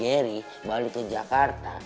gary balik ke jakarta